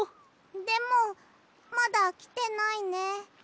でもまだきてないね。